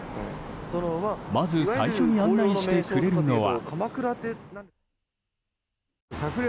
まず最初に案内してくれるのは。